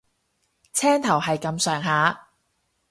青頭係咁上下